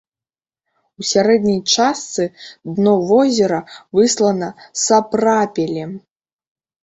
У сярэдняй частцы дно возера выслана сапрапелем.